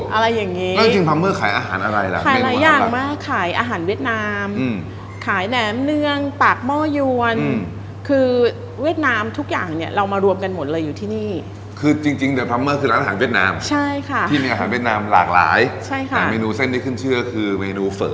อะไรอย่างนั้นเหมือนนัดกันมาทานเฝอ